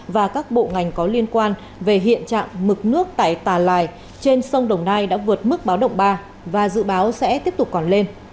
và các bộ ngành có liên quan về hiện trạng mực nước tại tà lài trên sông đồng nai đã vượt mức báo động ba và dự báo sẽ tiếp tục còn lên